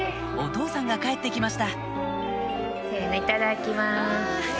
お父さんが帰って来ましたせのいただきます。